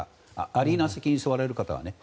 アリーナ席に座られる方はね。